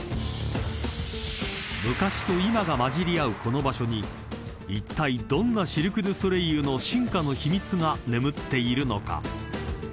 ［昔と今がまじり合うこの場所にいったいどんなシルク・ドゥ・ソレイユの進化の秘密が眠っているのか？］